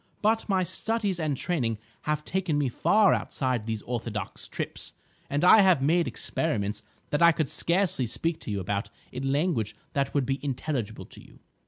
But my studies and training have taken me far outside these orthodox trips, and I have made experiments that I could scarcely speak to you about in language that would be intelligible to you."